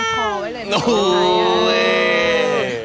เตรียมขอไว้เลยนะ